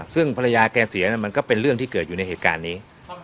ซึ่งภรรยาแกเสียมันก็เป็นเรื่องที่เกิดอยู่ในเหตุการณ์นี้